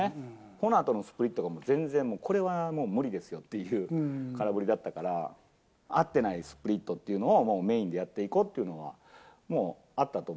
このあとのスプリットが全然、これはもう無理ですよっていう空振りだったから、合ってないスプリットっていうのをメインでやっていこうというのなるほどね。